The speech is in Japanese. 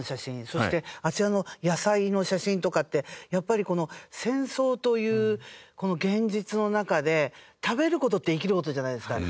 そしてあちらの野菜の写真とかってやっぱり戦争という現実の中で食べる事って生きる事じゃないですか。